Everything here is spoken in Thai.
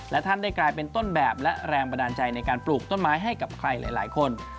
และท่านได้กลายเป็นต้นแบบและแรงบันดาลใจในการปลูกต้นไม้ให้กับใครหลายคน